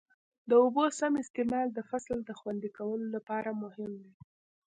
د اوبو سم استعمال د فصل د خوندي کولو لپاره مهم دی.